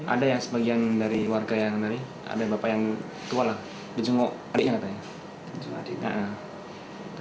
ada yang sebagian dari warga yang tadi ada bapak yang tua lah di jenggok adiknya katanya